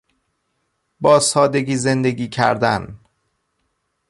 با سادگی زندگی کردن